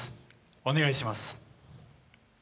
お願いします。